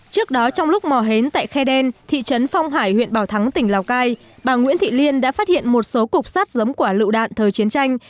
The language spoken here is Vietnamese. trước đó trong lúc mò hến tại khe đen thị trấn phong hải huyện bảo thắng tỉnh lào cai bà nguyễn thị liên đã phát hiện một số cục sát giống quả lựu đạn thời chiến tranh